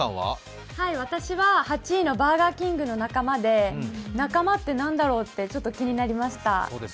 私は８位のバーガーキングの仲間で、仲間って何だろうって、ちょっと気になりました。